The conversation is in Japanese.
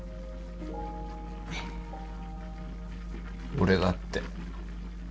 俺だって。